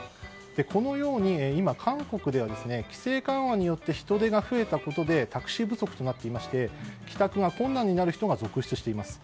このように今、韓国では規制緩和によって人出が増えたことでタクシー不足となっていまして帰宅が困難になる人が続出しています。